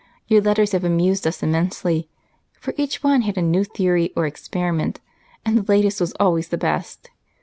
Your letters have amused us immensely, for each one had a new theory or experiment, and the latest was always the best.